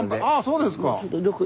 そうですか。